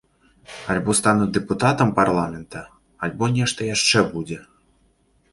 Альбо стану дэпутатам парламента, альбо нешта яшчэ будзе.